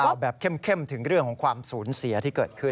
บอกแบบเข้มถึงเรื่องของความสูญเสียที่เกิดขึ้น